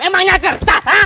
emangnya kertas ha